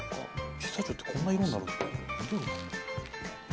ピスタチオってこんな色になるんですね。